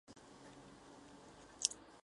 黑猩猩。